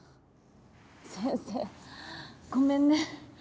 先生ごめんね。